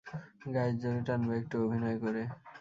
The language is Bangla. গায়ের জোরে টানবে, একটু অভিনয় করে।